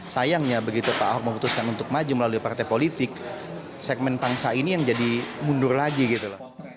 sayangnya begitu pak ahok memutuskan untuk maju melalui partai politik segmen bangsa ini yang jadi mundur lagi gitu loh